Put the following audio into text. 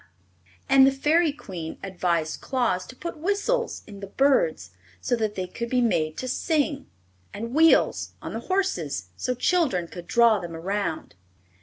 And the Fairy Queen advised Claus to put whistles in the birds, so they could be made to sing, and wheels on the horses, so children could draw them around.